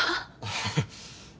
ハハハッ。